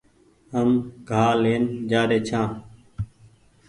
هم گآ لين جآري ڇآن